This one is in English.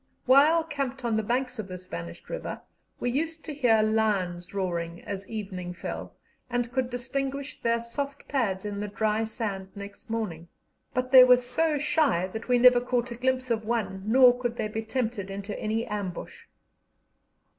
While camped on the banks of this vanished river, we used to hear lions roaring as evening fell, and could distinguish their soft pads in the dry sand next morning; but they were so shy that we never caught a glimpse of one, nor could they be tempted into any ambush.